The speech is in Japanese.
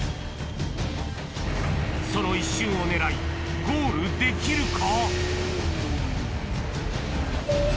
その一瞬を狙いゴールできるか？